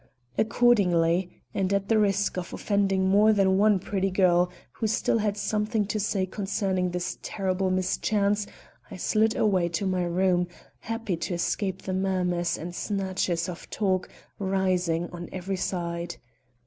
Accordingly, and at the risk of offending more than one pretty girl who still had something to say concerning this terrible mischance, I slid away to my room, happy to escape the murmurs and snatches of talk rising on every side.